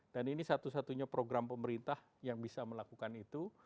dan ini satu satunya program pemerintah yang bisa melakukan itu